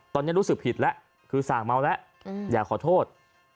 ตอนนี้รู้สึกผิดแล้วคือสั่งเมาแล้วอยากขอโทษ